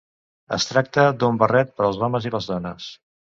Es tracta d'un barret per als homes i les dones.